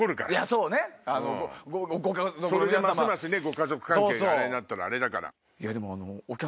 それでますますご家族関係があれになったらあれだから。